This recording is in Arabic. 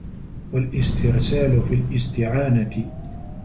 وَالِاسْتِرْسَالُ فِي الِاسْتِعَانَةِ